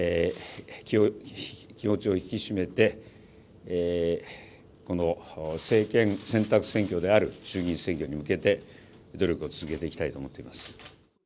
気持ちを引き締めて、この政権選択選挙である衆議院選挙に向けて、努力を続けていきたいと思っております。